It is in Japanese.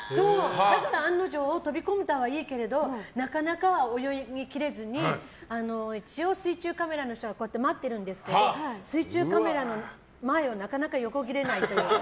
だから案の定飛び込んだはいいけれどなかなか泳ぎ切れずに一応、水中カメラの人が待ってるんですけど水中カメラの前をなかなか横切れないという。